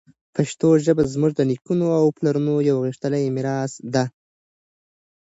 پښتو ژبه زموږ د نیکونو او پلارونو یوه غښتلې میراث ده.